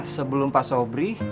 sebelum pak sobri